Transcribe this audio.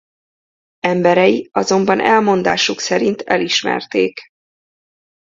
Emberei azonban elmondásuk szerint elismerték.